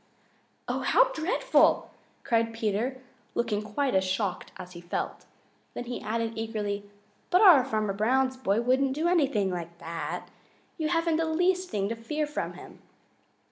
"Oh, how dreadful!" cried Peter, looking quite as shocked as he felt. Then he added eagerly, "But our Farmer Brown's boy wouldn't do anything like that. You haven't the least thing to fear from him."